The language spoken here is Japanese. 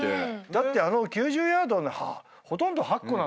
だってあの９０ヤードのほとんど８個なんてね